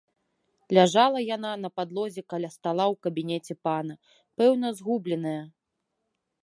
Ляжала яна на падлозе каля стала ў кабінеце пана, пэўна, згубленая.